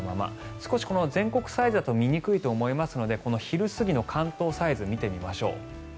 少し全国サイズだと見にくいと思いますので昼過ぎの関東サイズを見てみましょう。